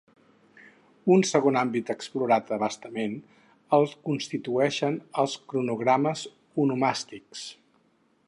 Un segon àmbit explorat a bastament el constitueixen els cronogrames onomàstics.